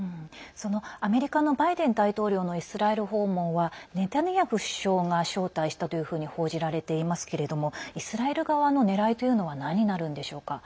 そのアメリカのバイデン大統領のイスラエル訪問はネタニヤフ首相が招待したというふうに報じられていますけれどもイスラエル側のねらいというのは何になるんでしょうか？